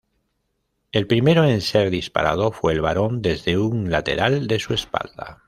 El primero en ser disparado fue el varón, desde un lateral de su espalda.